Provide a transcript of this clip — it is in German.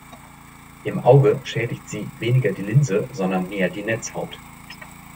Im Auge schädigt sie weniger die Linse, sondern mehr die Netzhaut.